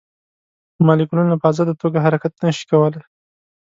مالیکولونه په ازاده توګه حرکت نه شي کولی.